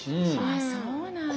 ああそうなんだ。